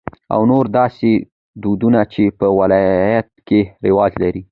او نور داسې دودنه چې په د ولايت کې رواج لري.